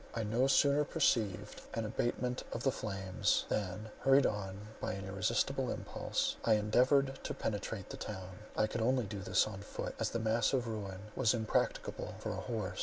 I no sooner perceived an abatement of the flames than, hurried on by an irresistible impulse, I endeavoured to penetrate the town. I could only do this on foot, as the mass of ruin was impracticable for a horse.